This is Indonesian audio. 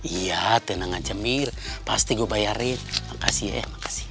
iya tenang aja mir pasti gue bayarin makasih ya ya makasih